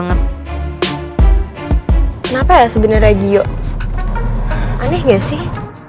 kenapa sebenernya gio aneh gak sih